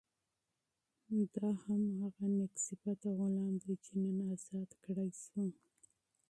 دا هماغه نېک صفته غلام دی چې نن ازاد کړای شو.